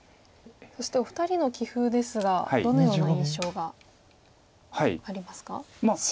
そしてお二人の棋風ですがどのような印象がありますか？